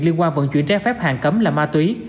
liên quan vận chuyển trái phép hàng cấm là ma túy